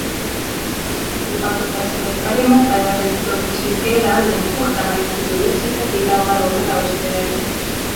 Basaaril pakutakse vaid parimat taimetoitu, mis viib keele alla nii puhta maitse kui vürtsikate idamaaroogade austajail.